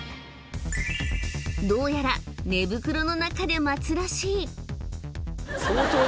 どうやら寝袋の中で待つらしい